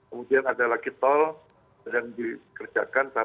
kemudian ada lagi tol yang dikerjakan